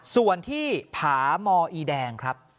ส่วนที่ผามอีแดงครับ